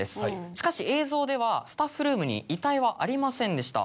しかし映像ではスタッフルームに遺体はありませんでした。